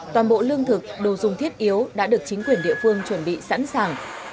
toàn bộ lương thực đồ dùng thiết yếu đã được chính quyền địa phương chuẩn bị sẵn sàng